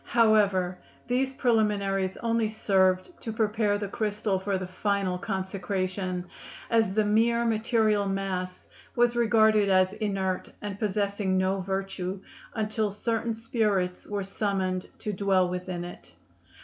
However, these preliminaries only served to prepare the crystal for the final consecration, as the mere material mass was regarded as inert and possessing no virtue until certain spirits were summoned to dwell within it.